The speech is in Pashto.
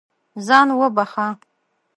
ځان وبښه.